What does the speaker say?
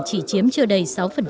chỉ chiếm chưa đầy sáu